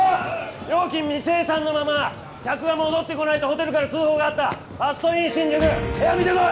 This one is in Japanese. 料金未精算のまま客が戻ってこないとホテルから通報があったファストイン新宿部屋見てこい！